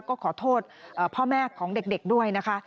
ก็ขอโทษพ่อแม่ของเด็กด้วยนะคะ